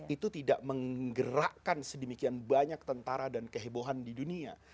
itu tidak menggerakkan sedemikian banyak tentara dan kehebohan di dunia